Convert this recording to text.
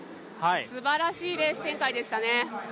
すばらしいレース展開でしたね。